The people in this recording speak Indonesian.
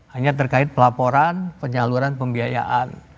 hanya terkait pelaporan penyaluran pembiayaan